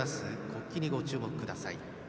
国旗にご注目ください。